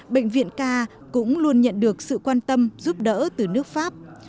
bệnh viện k cũng luôn nhận được sự quan tâm giúp đỡ từ nước pháp